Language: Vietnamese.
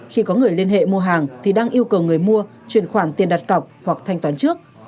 khi có người liên hệ mua hàng thì đang yêu cầu người mua chuyển khoản tiền đặt cọc hoặc thanh toán trước